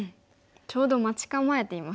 ちょうど待ち構えていますね。